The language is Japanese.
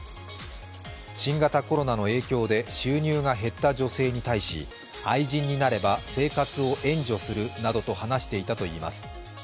新型コロナの影響で収入が減った女性に対し愛人になれば、生活を援助するなどと話していたといいます。